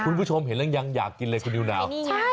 คุณผู้ชมเห็นแล้วยังอยากกินเลยคุณนิวนาว